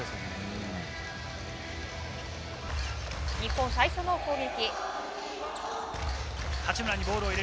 日本、最初の攻撃。